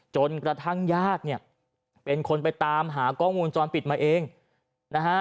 จนกระทั่งญาติเนี่ยเป็นคนไปตามหากล้องวงจรปิดมาเองนะฮะ